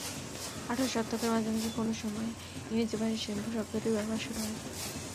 আঠারো শতকের মাঝামাঝি কোনো সময়ে ইংরেজি ভাষায় শ্যাম্পু শব্দটির ব্যবহার শুরু হয়।